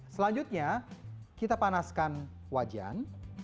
selanjutnya kita panaskan wajan